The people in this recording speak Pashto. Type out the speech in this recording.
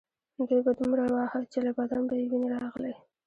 دوی به دومره واهه چې له بدن به یې وینې راغلې